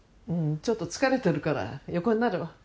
ちょっと疲れてるから横になるわ。